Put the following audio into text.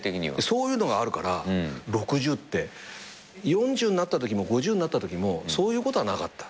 そういうのがあるから６０って４０なったときも５０なったときもそういうことはなかった。